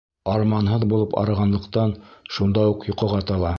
Арманһыҙ булып арығанлыҡтан, шунда уҡ йоҡоға тала.